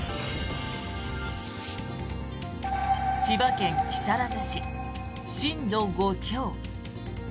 千葉県木更津市、震度５強。